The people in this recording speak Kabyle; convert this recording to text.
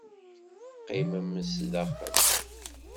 Qqimem zdaxel.